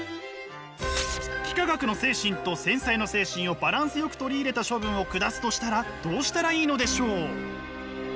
幾何学の精神と繊細の精神をバランスよく取り入れた処分を下すとしたらどうしたらいいのでしょう？